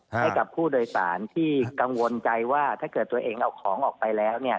ให้กับผู้โดยสารที่กังวลใจว่าถ้าเกิดตัวเองเอาของออกไปแล้วเนี่ย